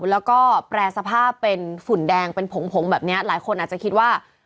แล้วก็แปรสภาพเป็นฝุ่นแดงเป็นผงผงแบบนี้หลายคนอาจจะคิดว่า